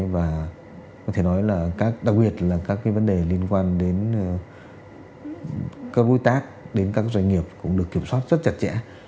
và có thể nói là đặc biệt là các cái vấn đề liên quan đến các đối tác đến các doanh nghiệp cũng được kiểm soát rất chặt chẽ